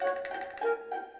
ya ya gak